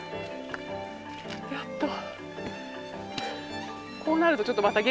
やっと。